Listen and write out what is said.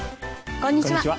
こんにちは